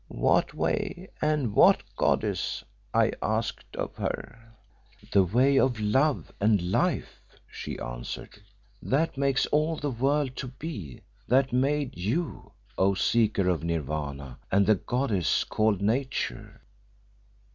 "'What way, and what goddess?' I asked of her. "'The way of Love and Life!" she answered, 'that makes all the world to be, that made you, O seeker of Nirvana, and the goddess called Nature!